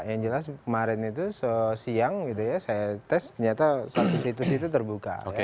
yang jelas kemarin itu siang gitu ya saya tes ternyata satu situs itu terbuka